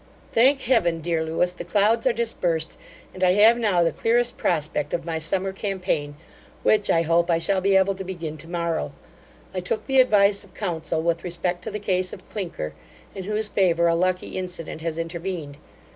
Thank Heaven! dear Lewis, the clouds are dispersed, and I have now the clearest prospect of my summer campaign, which, I hope, I shall be able to begin to morrow. I took the advice of counsel with respect to the case of Clinker, in whose favour a lucky incident has intervened.